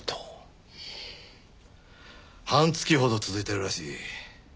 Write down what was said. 半月ほど続いているらしい。